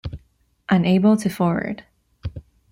Unable to forward.